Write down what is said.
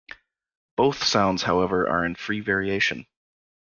Both sounds, however, are in free variation.